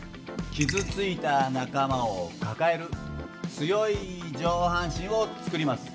傷ついた仲間を抱える強い上半身を作ります。